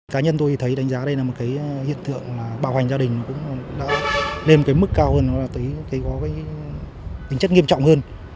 cá nhân tôi thấy đánh giá đây là một cái hiện tượng bạo hành gia đình cũng đã lên mức cao hơn có tính chất nghiêm trọng hơn